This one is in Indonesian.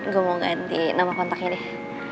gue mau ganti nama kontaknya deh